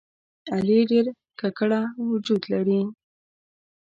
علي ډېر ګګړه وجود لري.